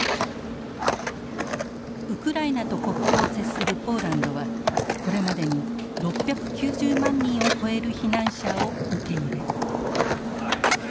ウクライナと国境を接するポーランドはこれまでに６９０万人を超える避難者を受け入れ。